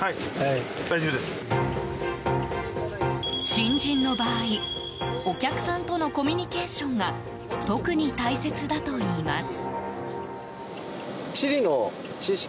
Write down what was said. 新人の場合、お客さんとのコミュニケーションが特に大切だといいます。